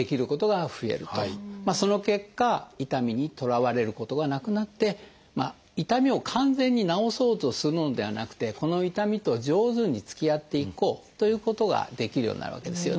その結果痛みにとらわれることがなくなって痛みを完全に治そうとするのではなくてこの痛みと上手につきあっていこうということができるようになるわけですよね。